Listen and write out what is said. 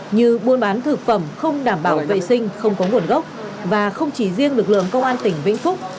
như buôn bán thực phẩm không đảm bảo vệ sinh không có nguồn gốc và không chỉ riêng lực lượng công an tỉnh vĩnh phúc